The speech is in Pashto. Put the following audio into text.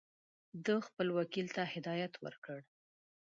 ده خپل وکیل ته هدایت ورکړ.